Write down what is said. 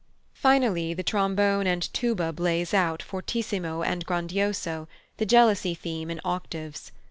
Finally the trombone and tuba blaze out, fortissimo and grandioso, the jealousy theme in octaves.